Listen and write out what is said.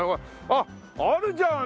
あっあるじゃん！